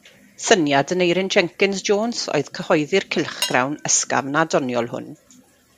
Syniad Aneurin Jenkins Jones oedd cyhoeddi'r cylchgrawn ysgafn a doniol hwn.